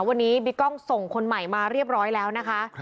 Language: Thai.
วันนี้บิ๊กกล้องส่งคนใหม่มาเรียบร้อยแล้วนะคะ